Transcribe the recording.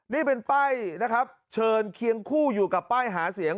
นี่เป็นป้ายนะครับเชิญเคียงคู่อยู่กับป้ายหาเสียง